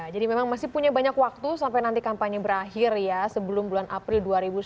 jadi memang masih punya banyak waktu sampai nanti kampanye berakhir ya sebelum bulan april dua ribu sembilan belas